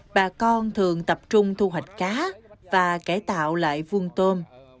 bà con thường tập trung thu hoạch cá và cải tạo lại vuông tôm